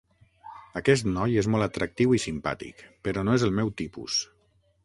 Aquest noi és molt atractiu i simpàtic, però no és el meu tipus.